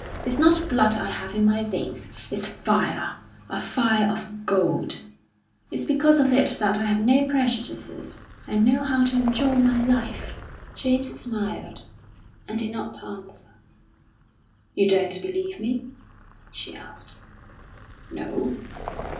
It's not blood I have in my veins, it's fire a fire of gold. It's because of it that I have no prejudices, and know how to enjoy my life." James smiled, and did not answer. "You don't believe me?" she asked. "No!"